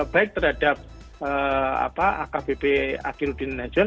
baik terhadap akbpa hirudi dan najwan